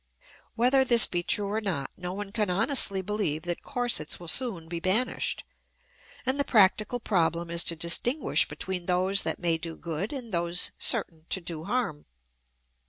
Whether this be true or not, no one can honestly believe that corsets will soon be banished; and the practical problem is to distinguish between those that may do good and those certain to do harm.